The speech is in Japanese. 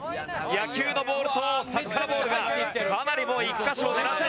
野球のボールとサッカーボールがかなりもう１カ所を狙っていく。